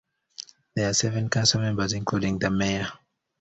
There are seven council members, including the mayor.